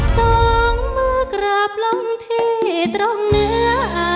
สองมากราบลงที่ตรงเนื้อ